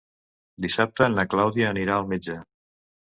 Dissabte na Clàudia anirà al metge.